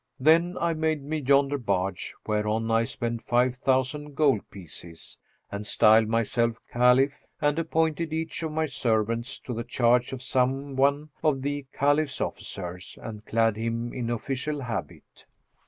Then I made me yonder barge whereon I spent five thousand gold pieces; and styled myself Caliph and appointed each of my servants to the charge of some one of the Caliph's officers and clad him in official habit.